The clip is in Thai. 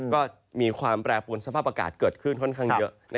ก็มีความแปรปวนสภาพอากาศเกิดขึ้นค่อนข้างเยอะ